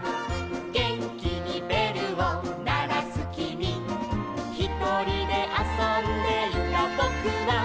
「げんきにべるをならすきみ」「ひとりであそんでいたぼくは」